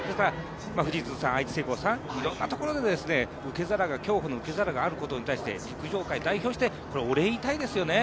富士通さん、愛知製鋼さん、いろんなところで競歩の受け皿があることに対して陸上界を代表してお礼を言いたいですよね。